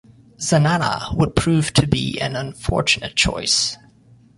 Zanana would prove to be an unfortunate choice.